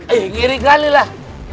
eh kiri kali lah